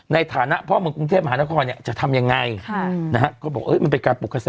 ในฐานะผมมองกรุงเทพมหานครอย่างไรจะทำ